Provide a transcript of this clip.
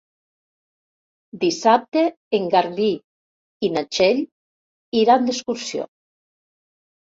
Dissabte en Garbí i na Txell iran d'excursió.